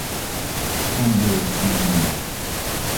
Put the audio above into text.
Kein Eurospeak mehr.